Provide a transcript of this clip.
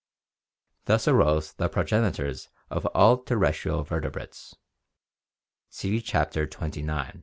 Thus arose the progenitors of all terrestrial ver tebrates (see Chapter XXIX).